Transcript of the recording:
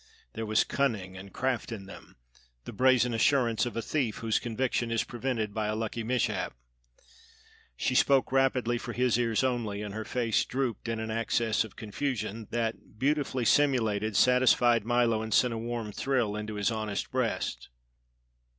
There was cunning and craft in them; the brazen assurance of a thief whose conviction is prevented by a lucky mishap. She spoke rapidly, for his ears only, and her face drooped in an access of confusion that, beautifully simulated, satisfied Milo and sent a warm thrill into his honest breast.